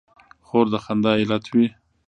خور د خندا علت وي.